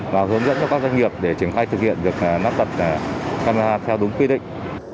và hướng dẫn cho các doanh nghiệp để triển khai thực hiện việc lắp đặt camera theo đúng quy định